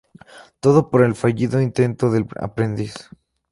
Todo por el fallido intento del aprendiz.